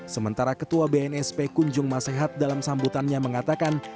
sementara ketua bnsp kunjung masehat dalam sambutannya mengatakan